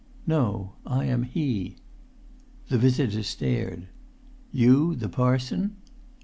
"No, I am he." The visitor stared. "You the parson?"